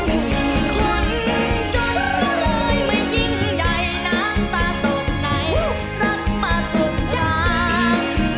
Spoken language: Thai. คนจนก็เลยไม่ยิ่งใหญ่น้ำตาตกไหนรักมาสุดจาง